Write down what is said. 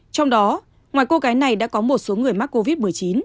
trong đó ngoài cô gái này đã có một số người mắc covid một mươi chín